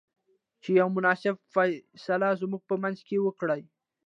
چې يوه مناسبه فيصله زموږ په منځ کې وکړۍ.